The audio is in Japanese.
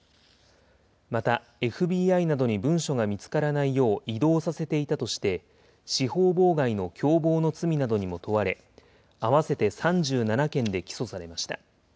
またＦＢＩなどに文書が見つからないよう、移動させていたとして、司法妨害の共謀の罪などにも問われ、合わせて３７件で起訴されました。